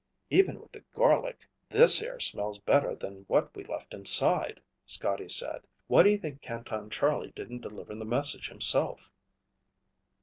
"Even with the garlic, this air smells better than what we left inside," Scotty said. "Why do you think Canton Charlie didn't deliver the message himself?"